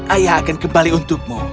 ayah akan kembali untukmu